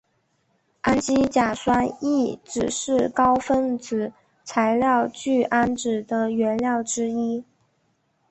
氨基甲酸乙酯是高分子材料聚氨酯的原料之一。